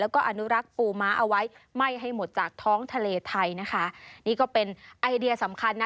แล้วก็อนุรักษ์ปูม้าเอาไว้ไม่ให้หมดจากท้องทะเลไทยนะคะนี่ก็เป็นไอเดียสำคัญนะ